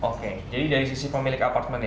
oke jadi dari sisi pemilik apartemen ya